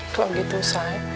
kalau gitu say